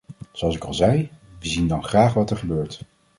Zoals ik al zei, we zien dan graag wat er gebeurt.